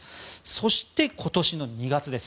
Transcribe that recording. そして、今年の２月です。